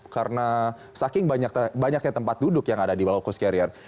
karena saking banyaknya tempat duduk yang ada di low cost carrier